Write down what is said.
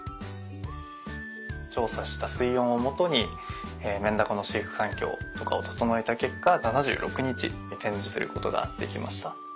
調査した水温をもとにメンダコの飼育環境とかを整えた結果７６日展示することができました。